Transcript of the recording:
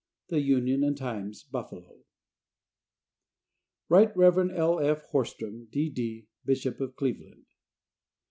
The Union and Times, Buffalo. Right Rev. I. F. Horstmann, D. D., Bishop of Cleveland.